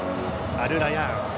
アルラヤーン。